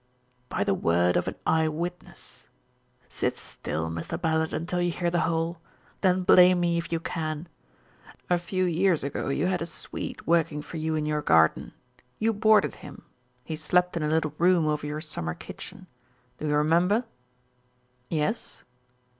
"By the word of an eyewitness. Sit still, Mr. Ballard, until you hear the whole; then blame me if you can. A few years ago you had a Swede working for you in your garden. You boarded him. He slept in a little room over your summer kitchen; do you remember?" "Yes."